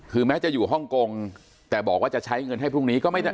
คือแม้จะอยู่ฮ่องกงแต่บอกว่าจะใช้เงินให้พรุ่งนี้ก็ไม่ได้